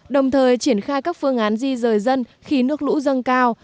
đồng thời triển khai các phương án di rời dân khi nước lũ dâng cao